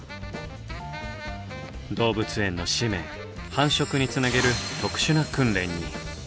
動物園の使命繁殖につなげる特殊な訓練に。